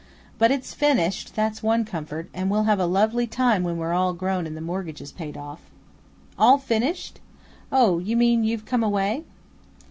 But it's finished, that's one comfort, and we'll have a lovely time when we're all grown up and the mortgage is paid off." "All finished? Oh, you mean you've come away?"